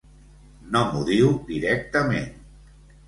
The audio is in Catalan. No m’ho diu directament.